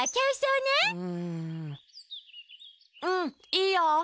うんうんいいよ！